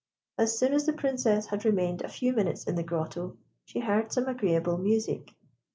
As soon as the Princess had remained a few minutes in the grotto, she heard some agreeable music.